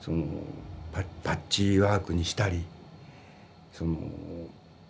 パッチワークにしたり。